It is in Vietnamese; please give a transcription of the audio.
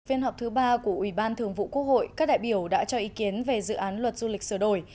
phiên họp thứ ba của ủy ban thường vụ quốc hội các đại biểu đã cho ý kiến về dự án luật du lịch sửa đổi